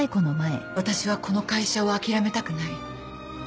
私はこの会社を諦めたくない。